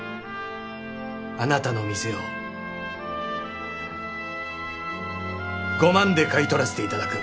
あなたの店を５万で買い取らせていただく。